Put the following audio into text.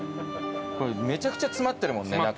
めちゃくちゃ詰まってるもんね中。